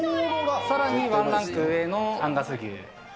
さらにワンランク上のアンガス牛